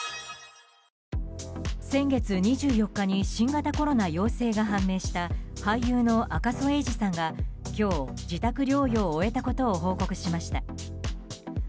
先月２４日に新型コロナ陽性が判明した俳優の赤楚衛二さんが今日、自宅療養を終えたことを報告しました。